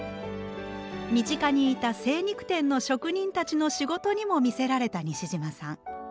身近にいた精肉店の職人たちの仕事にも魅せられた西島さん。